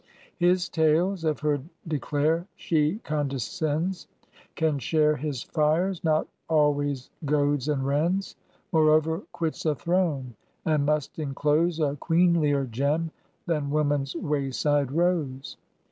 His tales of her declare she condescends; Can share his fires, not always goads and rends: Moreover, quits a throne, and must enclose A queenlier gem than woman's wayside rose.